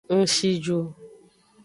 Ng shi ju.